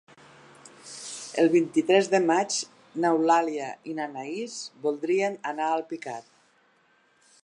El vint-i-tres de maig n'Eulàlia i na Thaís voldrien anar a Alpicat.